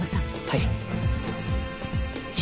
はい。